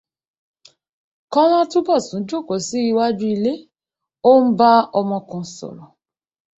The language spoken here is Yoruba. Kọ́lá Túbọ̀sún jókòó sí iwájú ilé, ó ń bá ọmọ kan sọ̀rọ̀.